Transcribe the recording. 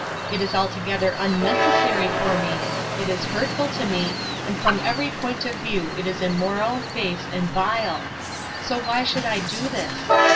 It is altogether unnecessary for me; it is hurtful to me, and from every point of view it is immoral, base, and vile. So why should I do this?